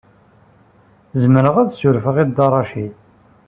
Zemreɣ ad surfeɣ i Dda Racid.